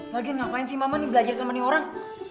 lagi ngapain sih mama nih belajar sama nih orang